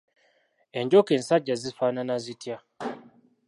Enjoka ensajja zifaanana zitya?